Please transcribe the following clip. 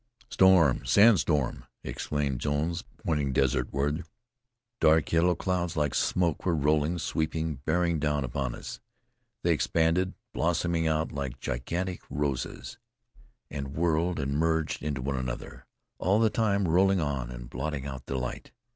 "Storm! Sandstorm!" exclaimed Jones, pointing desert ward. Dark yellow clouds like smoke were rolling, sweeping, bearing down upon us. They expanded, blossoming out like gigantic roses, and whirled and merged into one another, all the time rolling on and blotting out the light.